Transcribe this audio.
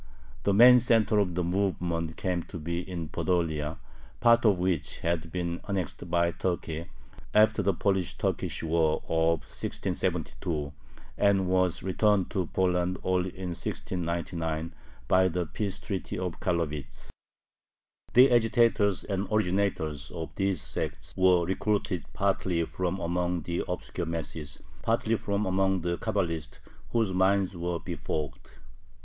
The main center of the movement came to be in Podolia, part of which had been annexed by Turkey, after the Polish Turkish War of 1672, and was returned to Poland only in 1699 by the Peace Treaty of Carlowitz. The agitators and originators of these sects were recruited partly from among the obscure masses, partly from among the Cabalists whose minds were befogged.